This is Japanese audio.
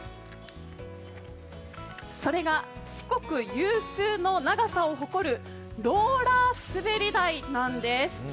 それが四国有数の長さを誇るローラー滑り台なんです。